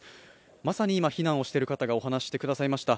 まさに今、避難をしている方がお話ししてくださいました。